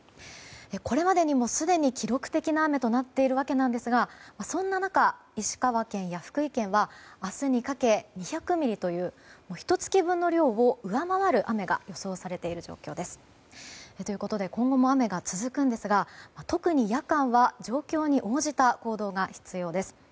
これまでにもすでに記録的な大雨となっているわけですがそんな中、石川県や福井県は明日にかけ、２００ミリというひと月分の量を上回る雨が予想されている状況です。ということで今後も雨が続くんですが特に夜間は状況に応じた行動が必要です。